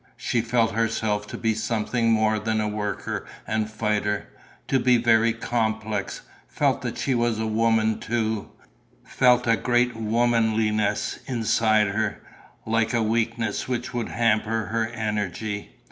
She felt herself to be something more than a worker and fighter, to be very complex, felt that she was a woman too, felt a great womanliness inside her, like a weakness which would hamper her energy.